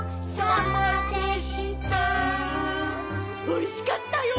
おいしかったよ！